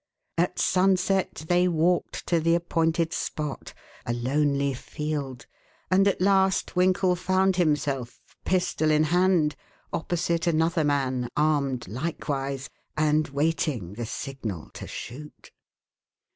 At sunset they walked to the appointed spot a lonely field and at last Winkle found himself, pistol in hand, opposite another man armed likewise, and waiting the signal to shoot.